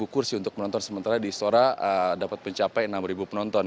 tujuh kursi untuk menonton sementara di istora dapat mencapai enam penonton